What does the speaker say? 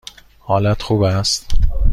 حالت خوب است؟